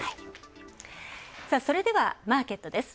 それではマーケットです。